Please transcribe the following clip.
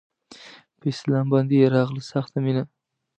په اسلام باندې يې راغله سخته مينه